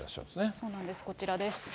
そうなんです、こちらです。